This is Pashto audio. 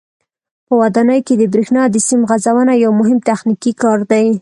په ودانیو کې د برېښنا د سیم غځونه یو مهم تخنیکي کار دی.